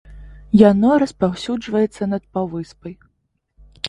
Яно распаўсюджваецца над паўвыспай.